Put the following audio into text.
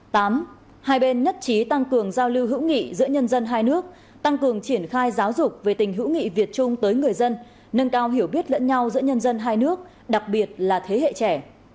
tám hai bên nhất trí tăng cường giao lưu hữu nghị giữa nhân dân hai nước tăng cường triển khai giáo dục về tình hữu nghị việt trung tới người dân nâng cao hiểu biết lẫn nhau giữa nhân dân hai nước đặc biệt là thế hệ trẻ